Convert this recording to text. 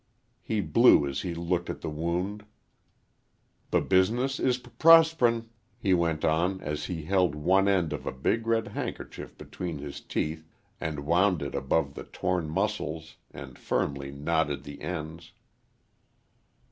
He blew as he looked at the wound. "B Business is p prosperin'," he went on, as he held one end of a big red handkerchief between his teeth and wound it above the torn muscles and firmly knotted the ends.